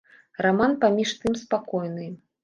Раман паміж тым спакойны.